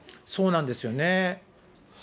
そうなんですよね。